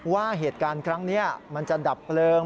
ว่าเหตุการณ์ครั้งนี้มันจะดับเพลิง